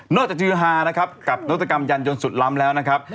นอกจากจืฮานะครับกับรถยนต์ยันยนต์สุดล้ำแล้วนะครับ